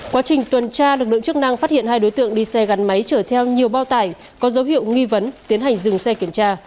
quá trình tuần tra lực lượng chức năng phát hiện hai đối tượng đi xe gắn máy chở theo nhiều bao tải có dấu hiệu nghi vấn tiến hành dừng xe kiểm tra